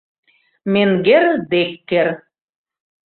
— Менгер Деккер!